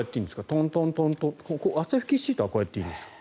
トントン汗拭きシートはこうやっていいですか？